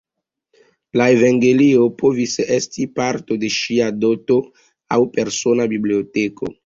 La Evangelio povis esti parto de ŝia doto aŭ persona biblioteko.